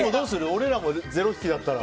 俺らも０匹だったら。